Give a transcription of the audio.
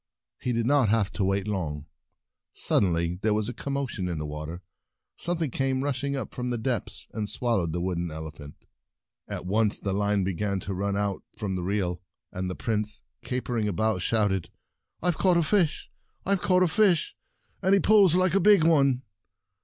He did not have long to wait. Sud denly there was a commotion in the water, something came rushing up from the depths and swallowed the wooden ele phant. At once the line began to run out from the reel, and the Prince, capering about, shout ed : "I've caught a fish! IVe caught a fish— and he pulls like a big one